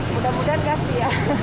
mudah mudahan gajah ya